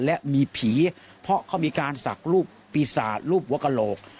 และมีผีเพราะเขามีการศักดิ์รูปปีศาจรูปหัวกระโหลก